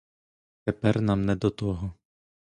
Тепер нам не до того!